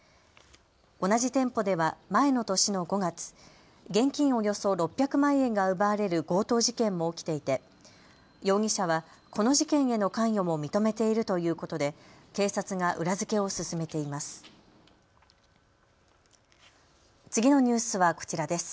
同じ店舗では前の年の５月、現金およそ６００万円が奪われる強盗事件も起きていて容疑者はこの事件への関与も認めているということで警察が裏付けを進めています。